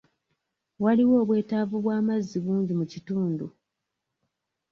Waliwo obwetaavu bw'amazzi bungi mu kitundu.